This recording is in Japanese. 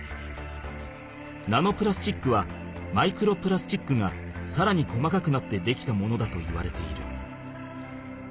ナノプラスチックはマイクロプラスチックがさらに細かくなってできたものだといわれている。